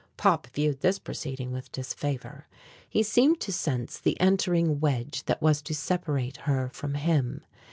Pop viewed this proceeding with disfavor. He seemed to sense the entering wedge that was to separate her from him.